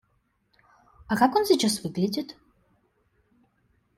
А как он сейчас выглядит?